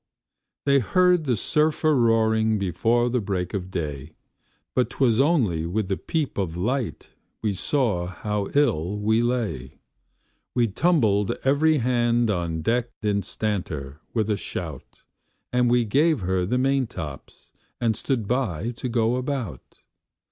They heard the surf a roaring before the break of day; But 'twas only with the peep of light we saw how ill we lay. We tumbled every hand on deck instanter, with a shout, And we gave her the maintops'l, and stood by to go about.